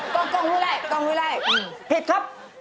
กงดูแลผิดครับ